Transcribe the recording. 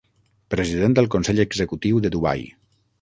President del Consell Executiu de Dubai.